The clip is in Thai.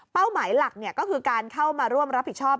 หมายหลักก็คือการเข้ามาร่วมรับผิดชอบ